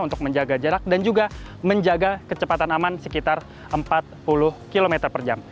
untuk menjaga jarak dan juga menjaga kecepatan aman sekitar empat puluh km per jam